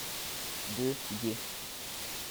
Deux gués.